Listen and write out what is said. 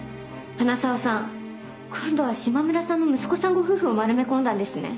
花澤さん今度は島村さんの息子さんご夫婦を丸め込んだんですね。